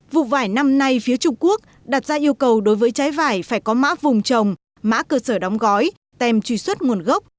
vụ vải năm nay phía trung quốc đặt ra yêu cầu đối với trái vải phải có mã vùng trồng mã cơ sở đóng gói tem truy xuất nguồn gốc